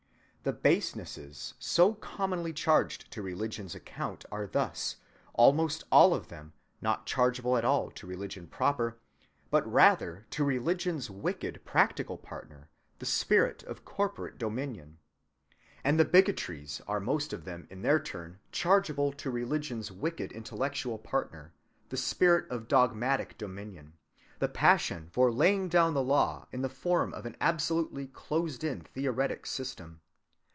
The basenesses so commonly charged to religion's account are thus, almost all of them, not chargeable at all to religion proper, but rather to religion's wicked practical partner, the spirit of corporate dominion. And the bigotries are most of them in their turn chargeable to religion's wicked intellectual partner, the spirit of dogmatic dominion, the passion for laying down the law in the form of an absolutely closed‐in theoretic system.